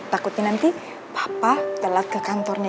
takutnya nanti papa telat ke kantornya